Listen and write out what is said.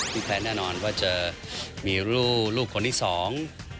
แค้นแน่นอนว่าจะมีลูกลูกคนที่สอง